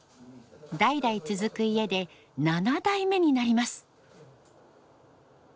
代々続く家で７代目になります。